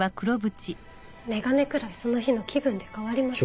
メガネくらいその日の気分で変わります。